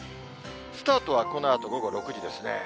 スタートはこのあと午後６時ですね。